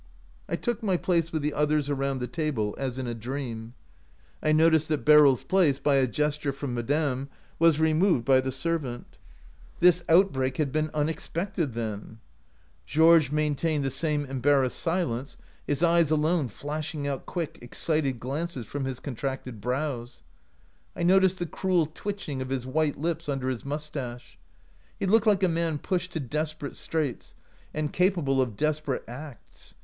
" I took my place with the others around the table, as in a dream. I noticed that Beryl's place, by a gesture from madame, was removed by the servant. This out 3i OUT OF BOHEMIA break had been unexpected, then ! Georges maintained the same embarrassed silence, his eyes alone flashing out quick, excited glances from his contracted brows. I noticed the cruel twitching of his white lips under his mustache. He looked like a man pushed to desperate straits and capable of desperate acts.